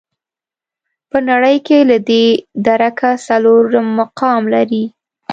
په نړۍ کې له دې درکه څلورم مقام لري.